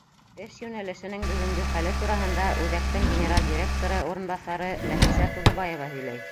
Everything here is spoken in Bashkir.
Эш йүнәлешенең бөгөнгө хәле тураһында Үҙәктең генераль директоры урынбаҫары Нәфисә ТУЛЫБАЕВА һөйләй.